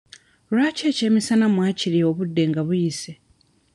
Lwaki ekyemisana mwakirya obudde nga buyise?